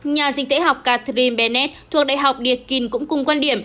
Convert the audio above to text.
nhà dịch tễ học catherine bennett thuộc đại học điệt kinh cũng cùng quan điểm